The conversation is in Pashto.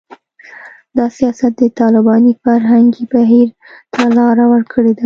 دا سیاست د طالباني فرهنګي بهیر ته لاره ورکړې ده